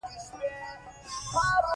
زده کوونکي دې متن په چوپتیا سره ولولي.